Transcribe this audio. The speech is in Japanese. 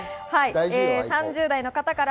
３０代の方です。